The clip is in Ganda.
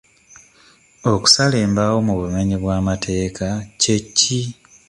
Okusala embaawo mu bumenyi bw'amateeka kye ki?